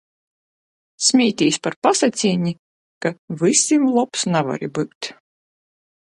Smītīs par pasacīni, ka "vysim lobs navari byut".